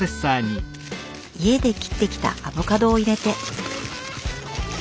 家で切ってきたアボカドを入れて。